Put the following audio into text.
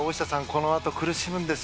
この後苦しむんです。